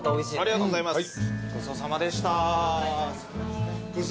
ありがとうございます。